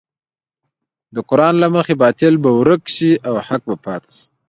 د قران له مخې باطل به ورک شي او حق به پاتې شي.